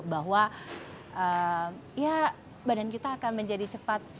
bahwa ya badan kita akan menjadi cepat